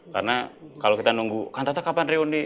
karena kalau kita nunggu kantata kapan rehunde